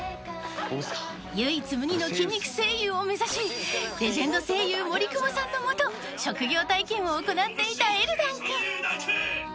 ［唯一無二の筋肉声優を目指しレジェンド声優森久保さんの下職業体験を行っていたエルダン君］